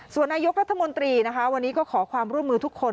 ส่วนนายกรัฐมนตรีนะคะวันนี้ก็ขอความร่วมมือทุกคน